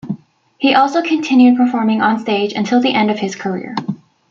He also continued performing on stage until the end of his career.